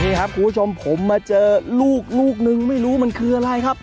นี่ครับคุณผู้ชมผมมาเจอลูกลูกนึงไม่รู้มันคืออะไรครับ